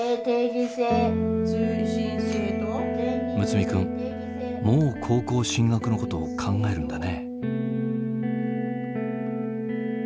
睦弥君もう高校進学のことを考えるんだね。